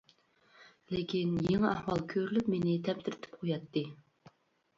لېكىن، يېڭى ئەھۋال كۆرۈلۈپ مېنى تەمتىرىتىپ قوياتتى.